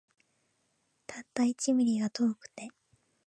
たった一ミリが遠くて